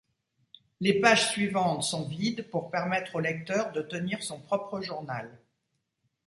Les pages suivantes sont vides, pour permettre au lecteur de tenir son propre journal.